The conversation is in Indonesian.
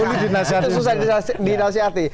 itu susah dinasehati